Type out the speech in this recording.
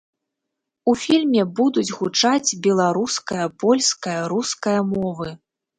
У фільме будуць гучаць беларуская, польская, руская мовы.